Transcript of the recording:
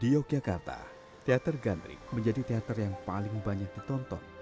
di yogyakarta teater gandrik menjadi teater yang paling banyak ditonton